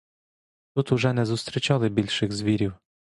Тут уже не зустрічали більших звірів.